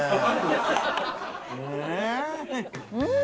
うん！